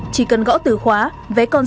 chỉ cần gõ từ khóa vé còn sớm